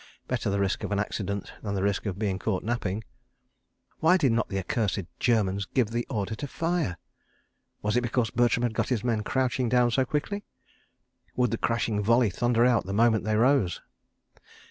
... Better the risk of an accident than the risk of being caught napping. ... Why did not the accursed German give the order to fire? ... Was it because Bertram had got his men crouching down so quickly? ... Would the crashing volley thunder out, the moment they arose?